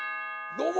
どうも！